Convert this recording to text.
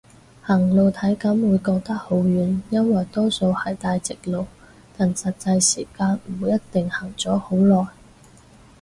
行路體感會覺得好遠，因為多數係大直路，但實際時間唔一定行咗好耐